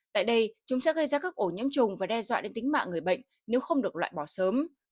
tại đây chúng sẽ gây ra các ổ nhiễm trùng và đe dọa đến tính mạng người bệnh nếu không được loại bỏ sớm